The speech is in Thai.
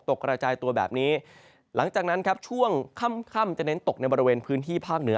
กระจายตัวแบบนี้หลังจากนั้นครับช่วงค่ำจะเน้นตกในบริเวณพื้นที่ภาคเหนือ